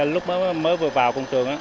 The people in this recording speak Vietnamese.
lúc mới vừa vào công trường